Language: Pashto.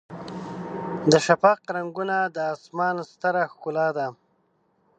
د شفق رنګونه د اسمان ستره ښکلا ده.